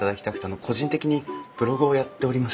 あの個人的にブログをやっておりまして。